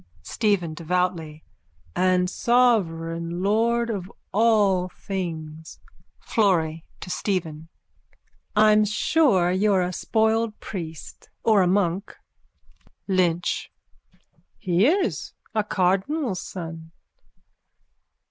STEPHEN: (Devoutly.) And sovereign Lord of all things. FLORRY: (To Stephen.) I'm sure you're a spoiled priest. Or a monk. LYNCH: He is. A cardinal's son.